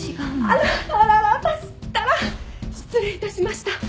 あらあらあら私ったら失礼いたしました。